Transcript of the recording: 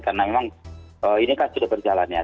karena memang ini kan sudah berjalan ya